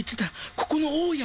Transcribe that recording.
ここの大家。